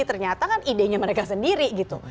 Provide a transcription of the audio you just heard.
ternyata kan idenya mereka sendiri gitu